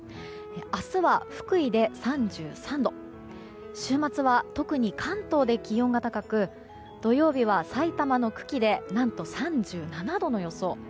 明日は福井で３３度週末は特に関東で気温が高く、土曜日は埼玉の久喜で何と３７度の予想。